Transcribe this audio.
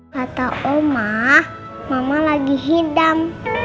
kata oma mama lagi hidam